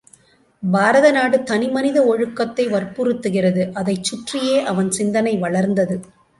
பாரத நாடு தனி மனித ஒழுக்கத்தை வற்புறுத்துகிறது அதைச் சுற்றியே அவன் சிந்தனை வளர்ந்தது.